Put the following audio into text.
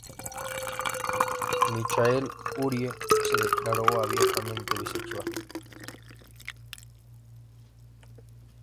Michael Urie se declaró abiertamente bisexual.